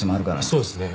そうですね。